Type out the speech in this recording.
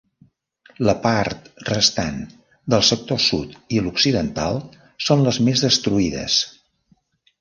La part restant del sector sud i l'occidental són les més destruïdes.